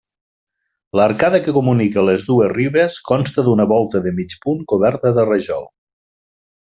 L'arcada que comunica les dues ribes consta d'una volta de mig punt coberta de rajol.